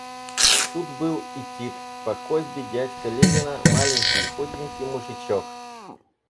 Тут был и Тит, по косьбе дядька Левина, маленький, худенький мужичок.